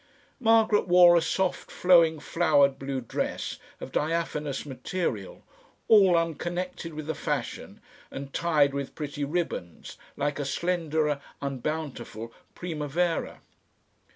Margaret wore a soft flowing flowered blue dress of diaphanous material, all unconnected with the fashion and tied with pretty ribbons, like a slenderer, unbountiful Primavera.